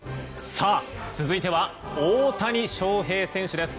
さあ、続いては大谷翔平選手です。